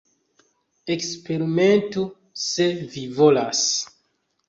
Eksperimentu, se vi volas.